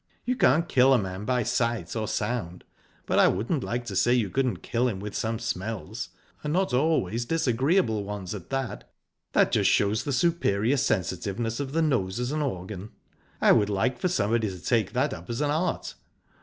You can't kill a man by a sight or a sound, but I wouldn't like to say you couldn't kill him with some smells, and not always disagreeable ones at that. That just shows the superior sensitiveness of the nose as an organ. I would like for somebody to take that up as an art...